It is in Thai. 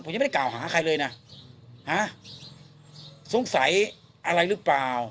ผมยังไม่ได้กล่าวหาใครเลยนะฮะสงสัยอะไรหรือเปล่า